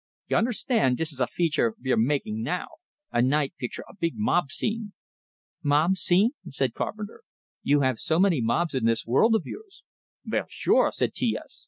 Y'unnerstand, dis is a feature picture ve're makin' now; a night picture, a big mob scene.". "Mob scene?" said Carpenter. "You have so many mobs in this world of yours!" "Vell, sure," said T S.